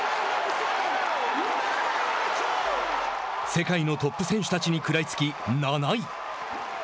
世界のトップ選手たちに食らいつき７位。